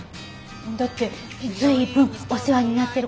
だって随分お世話になってる方なんでしょ？